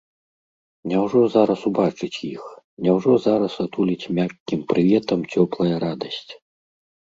Няўжо зараз убачыць іх, няўжо зараз атуліць мяккім прыветам цёплая радасць?